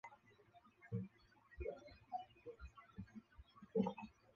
古巴亚马逊鹦鹉在不同的岛屿上栖息在不同的环境。